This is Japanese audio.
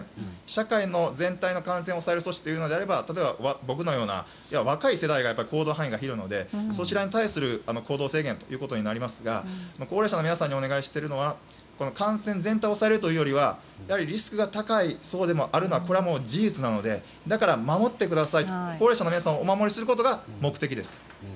社会の全体の感染を抑える措置というのであれば例えば僕のような若い世代のほうが行動範囲が広いのでそちらに対する行動制限ということになりますが高齢者の皆さんにお願いしているのは感染全体を抑えるというよりはやはりリスクが高い層であるのは事実なのでだから高齢者の皆さんをお守りすることが目的です。